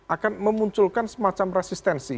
akan memunculkan semacam resistensi